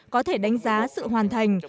có thể đánh giá sự hoàn thành